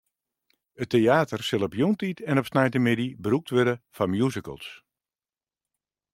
It teater sil op jûntiid en op sneintemiddei brûkt wurde foar musicals.